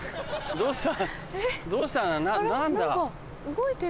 どうした？